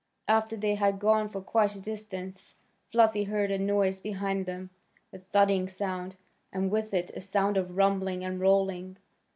After they had gone for quite a distance Fluffy heard a noise behind them, a thudding sound, and with it a sound of rumbling and rolling.